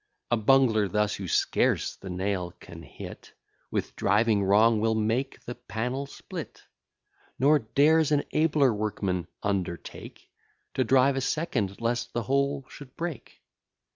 A bungler thus, who scarce the nail can hit, With driving wrong will make the panel split: Nor dares an abler workman undertake To drive a second, lest the whole should break.